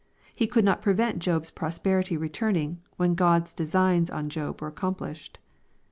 He could not prevent Job's prosperity returning, when God's designs on Job were accomplished.